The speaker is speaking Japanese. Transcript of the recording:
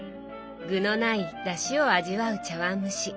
具のないだしを味わう茶碗蒸し。